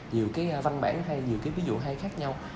nhiều cái văn bản hay nhiều cái ví dụ hay khác nhau